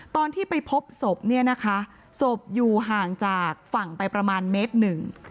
ตอนที่ไปพบศพเนี่ยนะคะศพอยู่ห่างจากฝั่งไปประมาณเมตรหนึ่ง